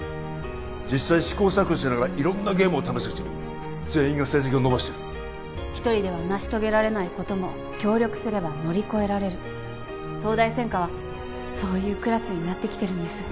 実際試行錯誤しながら色んなゲームを試すうちに全員が成績を伸ばしてる一人では成し遂げられないことも協力すれば乗り越えられる東大専科はそういうクラスになってきてるんです